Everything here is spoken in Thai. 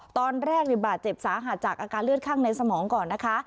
ตอนแรกบาดเจ็บสาหัสจากอาการเลือดข้างในสมองก่อนนะคะ